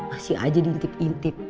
masih aja diintip intip